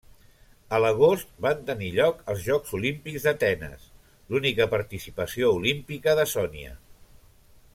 A l'agost van tenir lloc els Jocs Olímpics d'Atenes, l'única participació olímpica de Sonia.